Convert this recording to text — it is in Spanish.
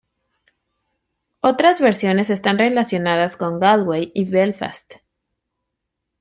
Otras versiones están relacionadas con Galway y Belfast.